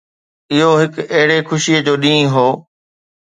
اهو هڪ اهڙي خوشي جو ڏينهن هو.